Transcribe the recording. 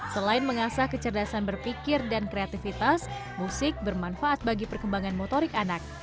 selain mengasah kecerdasan berpikir dan kreativitas musik bermanfaat bagi perkembangan motorik anak